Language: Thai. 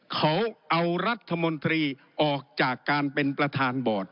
เขาเอารัฐมนตรีออกจากการเป็นประธานบอร์ด